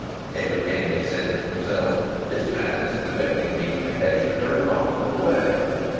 Edward Henry said to himself: "This man is expecting me to behave in a remarkable way.